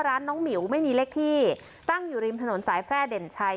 ร้านน้องหมิวไม่มีเลขที่ตั้งอยู่ริมถนนสายแพร่เด่นชัย